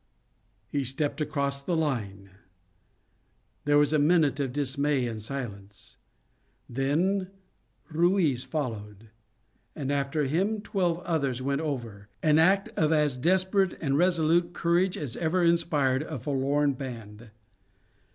He stepped across the line. There was a minute of dismay and silence. Then Ruiz followed, and after him twelve others went over, an act of as desperate and resolute courage as ever inspired a forlorn band.